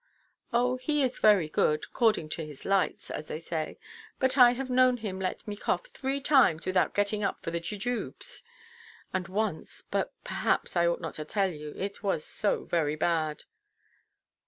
"Oh, he is very good, 'according to his lights,' as they say. But I have known him let me cough three times without getting up for the jujubes. And once—but perhaps I ought not to tell you: it was so very bad."